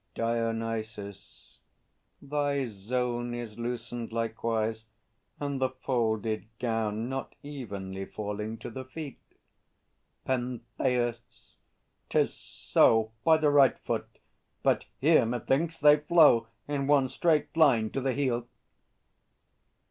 DIONYSUS. Thy zone Is loosened likewise; and the folded gown Not evenly falling to the feet. PENTHEUS. 'Tis so, By the right foot. But here, methinks, they flow In one straight line to the heel.